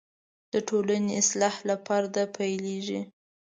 د ټولنې اصلاح له فرده پیلېږي.